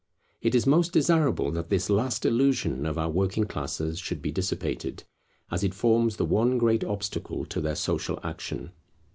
It is most desirable that this last illusion of our working classes should be dissipated, as it forms the one great obstacle to their social action.